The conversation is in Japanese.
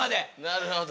なるほど。